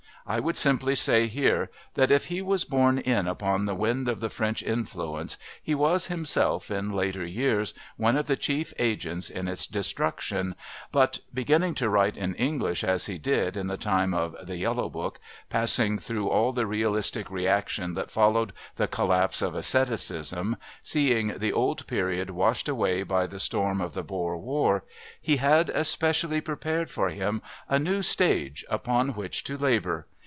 I would simply say here that if he was borne in upon the wind of the French influence he was himself, in later years, one of the chief agents in its destruction, but, beginning to write in English as he did in the time of The Yellow Book, passing through all the realistic reaction that followed the collapse of æstheticism, seeing the old period washed away by the storm of the Boer War, he had, especially prepared for him, a new stage upon which to labour.